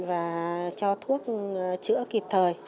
và cho thuốc chữa kịp thời